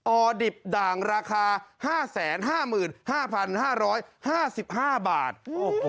ออดิบด่างราคาห้าแสนห้ามืดห้าพันห้าร้อยห้าสิบห้าบาทโอ้โห